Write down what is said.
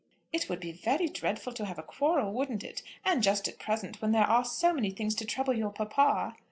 "It would be very dreadful to have a quarrel, wouldn't it, and just at present, when there are so many things to trouble your papa."